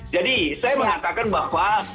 jadi saya mengatakan bahwa